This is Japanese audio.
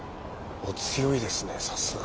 お強いですねさすが。